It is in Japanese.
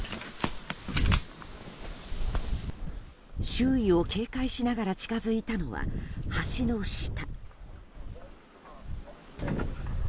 周囲を警戒しながら近づいたのは橋の下。